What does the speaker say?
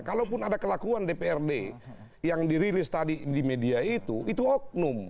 kalaupun ada kelakuan dprd yang dirilis tadi di media itu itu oknum